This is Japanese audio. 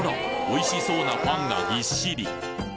おいしそうなパンがギッシリ！